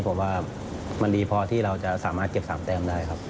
ผมว่ามันดีพอที่เราจะสามารถเก็บ๓แต้มได้ครับ